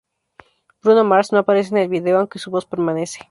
Bruno Mars no aparece en el video, aunque su voz permanece.